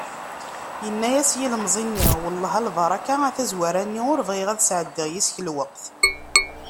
Yenna-as yilemẓi-nni: "Welleh a lbaraka, a tazwara-nni ar bɣiɣ ad sεeddiɣ yis-k lweqt"